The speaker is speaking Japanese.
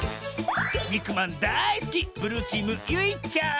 にくまんだいすきブルーチームゆいちゃん。